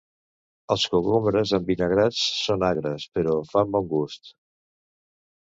Els cogombres envinagrats són agres, però fan bon gust.